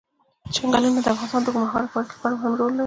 چنګلونه د افغانستان د اوږدمهاله پایښت لپاره مهم رول لري.